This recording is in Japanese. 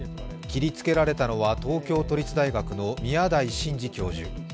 切りつけられたのは東京都立大学の宮台真司教授。